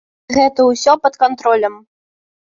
І гэта ўсё пад кантролем.